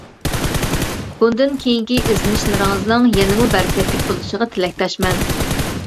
بۇندىن كېيىنكى ئىزدىنىشلىرىڭىزنىڭ يەنىمۇ بەرىكەتلىك بولۇشىغا تىلەكداشمەن!